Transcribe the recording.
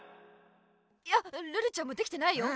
いやルルちゃんもできてないよ。